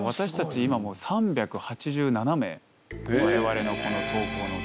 今もう３８７名我々のこの投降延べ。